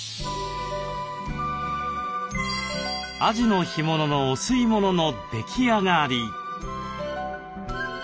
アジの干物のお吸い物の出来上がり。